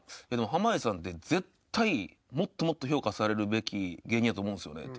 濱家さんって絶対もっともっと評価されるべき芸人やと思うんですよねって。